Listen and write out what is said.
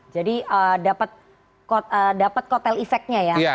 jadi dapat kotel efeknya ya